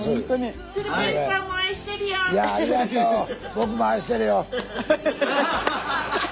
僕も愛してるよ。